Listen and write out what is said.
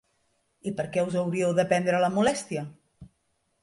I per què us hauríeu de prendre la molèstia?